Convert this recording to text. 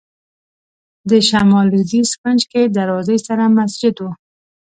د شمال لوېدیځ کونج کې دروازې سره مسجد و.